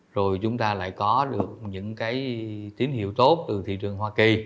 rồi chúng ta lại có được những cái tín hiệu tốt từ thị trường hoa kỳ